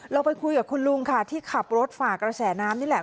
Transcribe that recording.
เราไปคุยกับคุณลุงที่ขับรถหากระแสน้ำนี้ครับ